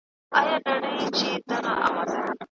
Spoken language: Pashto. د تورو په پاتې کېدو کي املا مهمه ده.